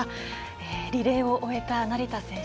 リレーを終えた成田選手